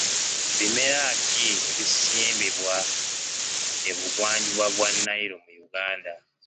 Bimera ki ebisimbibwa ebugwa njuba bwa Nile mu Uganda?